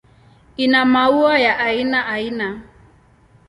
Ina maua ya aina aina.